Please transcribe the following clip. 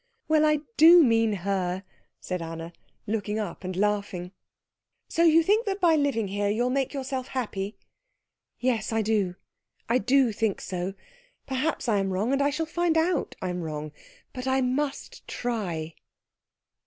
"Well, I do mean her," said Anna, looking up and laughing. "So you think that by living here you'll make yourself happy?" "Yes, I do I do think so. Perhaps I am wrong, and shall find out I'm wrong, but I must try."